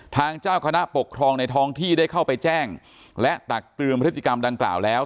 เจ้าคณะปกครองในท้องที่ได้เข้าไปแจ้งและตักเตือนพฤติกรรมดังกล่าวแล้ว